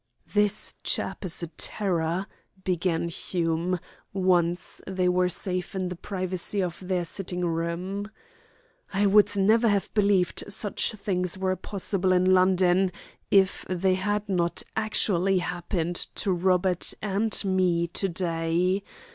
"This chap is a terror," began Hume, once they were safe in the privacy of their sitting room. "I would never have believed such things were possible in London if they had not actually happened to Robert and me to day.